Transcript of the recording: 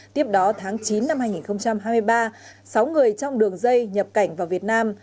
tiếp đó tháng chín năm hai nghìn hai mươi ba sáu người trong đường dây nhập cảnh vào việt nam